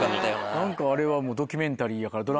何かあれはドキュメンタリーやから。